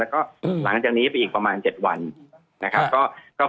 แล้วก็หลังจากนี้ไปอีกประมาณ๗วันนะครับ